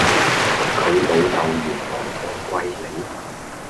佢老豆原來放貴利